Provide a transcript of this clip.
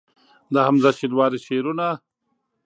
د حمزه شینواري شعرونه